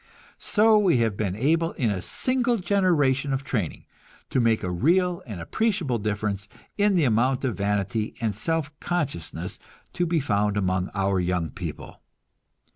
So we have been able, in a single generation of training, to make a real and appreciable difference in the amount of vanity and self consciousness to be found among our young people.